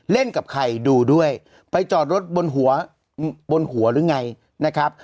กับใครดูด้วยไปจอดรถบนหัวบนหัวหรือไงนะครับ